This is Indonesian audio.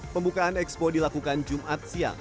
pembukaan expo dilakukan jumat siang